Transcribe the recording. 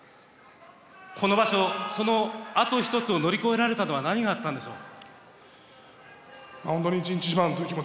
この場所そのあと一つを乗り越えられたのは何があったんでしょう？